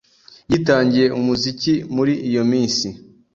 Yitangiye umuziki muri iyo minsi.